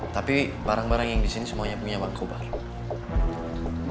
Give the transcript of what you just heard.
tapi barang barang yang disini semuanya punya bang kobra